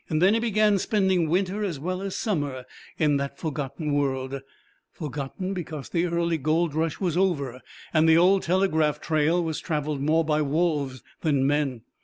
"Then he began spending winter as well as summer in that forgotten world forgotten because the early gold rush was over, and the old Telegraph trail was travelled more by wolves than men.